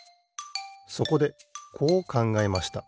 そこでこうかんがえました。